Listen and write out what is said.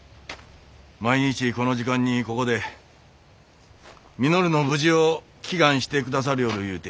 毎日この時間にここで稔の無事を祈願してくださりょうるいうて。